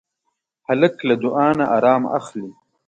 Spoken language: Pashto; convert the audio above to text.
هلک له دعا نه ارام اخلي.